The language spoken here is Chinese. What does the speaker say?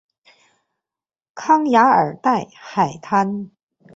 康雅尔蒂海滩。